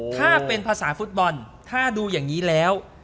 ถ้าเป็นภาษาฟุตบอลถ้าดูอย่างนี้แล้ว